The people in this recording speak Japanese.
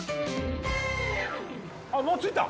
あっもう着いた。